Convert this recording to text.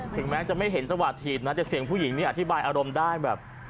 ถึงแม้จะไม่เห็นสวัสดิ์ทีนะเห็นเสียงผู้หญิงนี้อธิบายอารมณ์ได้แบบ